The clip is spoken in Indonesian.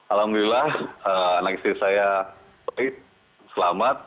alhamdulillah anak istri saya baik selamat